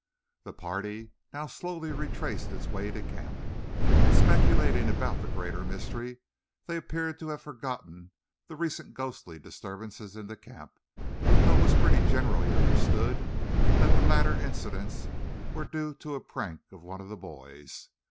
The party now slowly retraced its way to camp. In speculating about the greater mystery they appeared to have forgotten the recent ghostly disturbances in the camp, though it was pretty generally understood that the latter incidents were due to a prank of one of the boys.